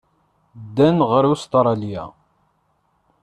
Ddan ɣer Ustṛalya.